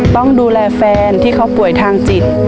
ต้องดูแลแฟนที่เขาป่วยทางจิต